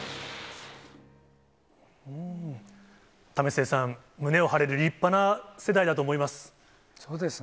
為末さん、胸を張れる立派な世代だと思います。